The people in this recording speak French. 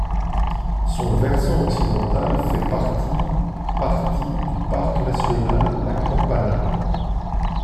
Son versant occidental fait partie partie du parc national la Campana.